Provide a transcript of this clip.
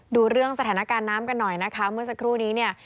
ดูเรื่องสถานการณ์น้ำกันหน่อยนะคะเมื่อสักครู่นี้เนี่ย